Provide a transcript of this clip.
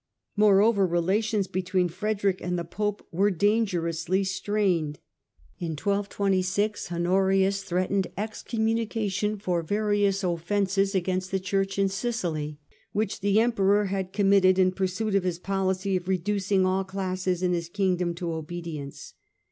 Moreover, relations between Frederick and the Pope were dangerously strained. In 1226 Honorius threatened excommunication for various offences against the Church in Sicily, which the Emperor had committed in pursuit of his policy of reducing all classes in his Kingdom to obedience.